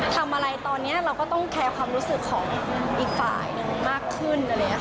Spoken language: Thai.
ทำอะไรตอนนี้เราก็ต้องแคร์ความรู้สึกของอีกฝ่ายนึงมากขึ้น